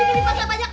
ini di pasar banyak